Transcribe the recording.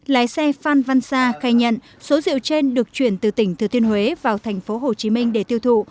lái xe phan văn sa khai nhận số rượu trên được chuyển từ tỉnh thừa thiên huế vào thành phố hồ chí minh để tiêu thụ